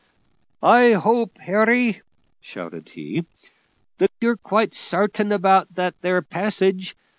"I hope, Harry," shouted he, "that you're quite sartain about that there passage.